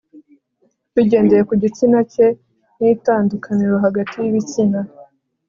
bigendeye ku gitsina cye n itandukaniro hagati y ibitsina